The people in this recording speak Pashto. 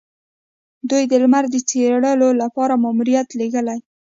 دوی د لمر د څیړلو لپاره ماموریت لیږلی.